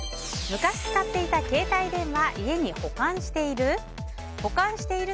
昔使っていた携帯電話家に保管している？